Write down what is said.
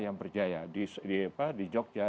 yang berjaya di jogja